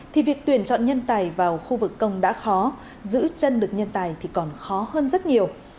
thì việc tuyển chọn nhân tài vào khu vực công đã khó giữ chân được nhân tài thì còn khó hơn rất nhiều